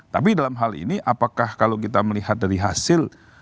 tapi dalam hal ini apakah kalau kita melihat dari hasil